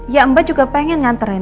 ya mbak juga pengen nganterin